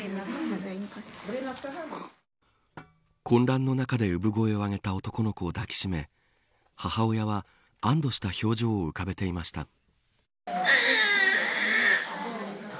混乱の中で産声を上げた男の子を抱きしめ母親は安堵した表情を浮かべていました。